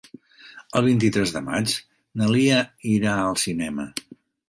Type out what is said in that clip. El vint-i-tres de maig na Lia irà al cinema.